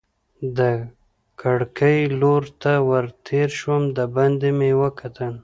د کړکۍ لور ته ور تېر شوم، دباندې مې وکتل.